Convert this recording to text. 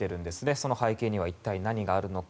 その背景には一体何があるのか。